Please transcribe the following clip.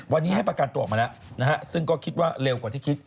วันนี้ให้ประกันตัวออกมาแล้วนะฮะซึ่งก็คิดว่าเร็วกว่าที่คิด